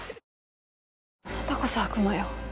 あなたこそ悪魔よ。